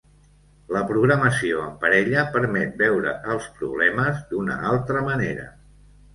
La programació en parella permet veure els problemes d'una altra manera.